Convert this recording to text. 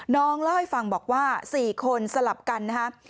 น้องเล่าให้ฟังบอกว่า๔คนสลับกันนะครับ